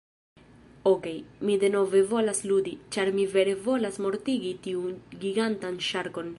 Okej, mi denove volas ludi, ĉar mi vere volas mortigi tiun gigantan ŝarkon.